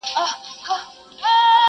هغه بل پر جواهرو هنرونو؛